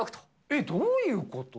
えっ、どういうこと？